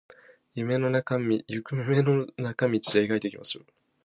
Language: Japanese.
夢の中道描いていきましょう